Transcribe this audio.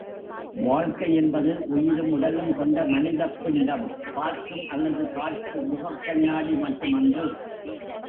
வாழ்க்கை என்பது உயிரும் உடலும் கொண்ட மனித பிண்டம், பார்க்கும் அல்லது காட்டும் முகக் கண்ணாடி மட்டுமன்று.